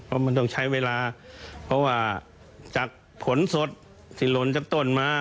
เพราะมันต้องใช้เวลาเพราะว่าจากผลสดที่หล่นจากต้นมา